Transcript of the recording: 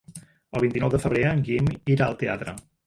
El vint-i-nou de febrer en Guim irà al teatre.